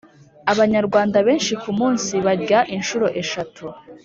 abanyarwanda benshi ku munsi barya inshuro eshatu (